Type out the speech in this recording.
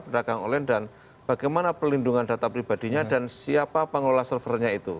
pedagang online dan bagaimana pelindungan data pribadinya dan siapa pengelola servernya itu